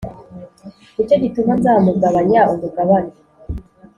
Ni cyo gituma nzamugabanya umugabane